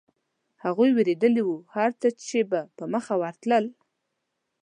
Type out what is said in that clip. هغوی وېرېدلي و، هرڅه چې به په مخه ورتلل.